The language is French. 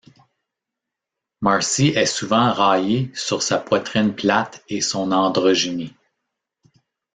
Marcy est souvent raillée sur sa poitrine plate et son androgynie.